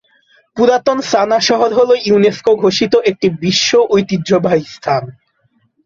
পুরাতন সানা শহর হল ইউনেস্কো ঘোষিত একটি বিশ্ব ঐতিহ্যবাহী স্থান।